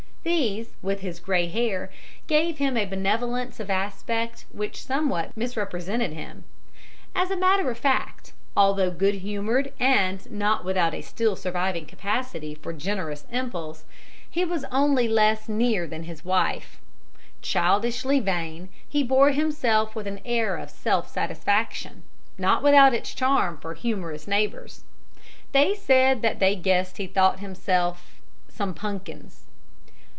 These, with his gray hair, gave him a benevolence of aspect which somewhat misrepresented him. As a matter of fact, although good humored and not without a still surviving capacity for generous impulse, he was only less "near" than his wife. Childishly vain, he bore himself with an air of self satisfaction not without its charm for humorous neighbors. They said that they guessed he thought himself "some punkins."